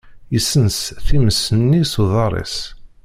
Yessens times-nni s uḍar-is.